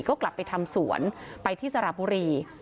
ก็กลับไปทำสวนไปที่สระบุรี